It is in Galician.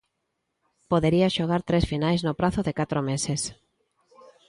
Podería xogar tres finais no prazo de catro meses.